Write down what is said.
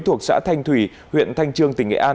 thuộc xã thanh thủy huyện thanh trương tỉnh nghệ an